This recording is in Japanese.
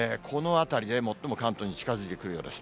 このあたりで最も関東に近づいてくるようです。